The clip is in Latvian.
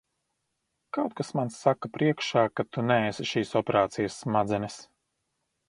Kaut kas man saka priekšā, ka tu neesi šīs operācijas smadzenes.